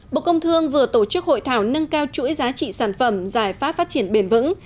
bộ công thương vừa tổ chức hội thảo nâng cao chuỗi giá trị sản phẩm giải pháp phát triển bền vững